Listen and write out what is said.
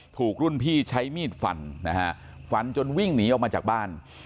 ถูกรุ่นพี่ใช้มีดฟันนะฮะฟันจนวิ่งหนีออกมาจากบ้าน